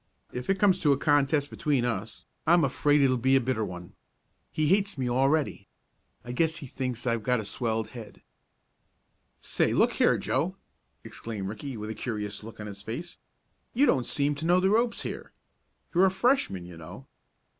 If it comes to a contest between us I'm afraid it will be a bitter one. He hates me already. I guess he thinks I've got a swelled head." "Say, look here, Joe!" exclaimed Ricky, with a curious look on his face, "you don't seem to know the ropes here. You're a Freshman, you know."